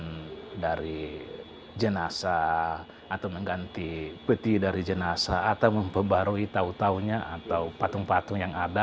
kemudian dari jenazah atau mengganti peti dari jenazah atau memperbarui tahu tahunya atau patung patung yang ada